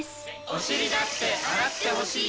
おしりだって、洗ってほしい。